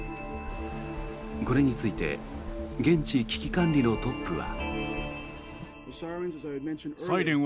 これについて現地危機管理のトップは。